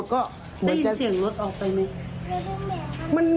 ได้ยินเสียงรถออกไปไหม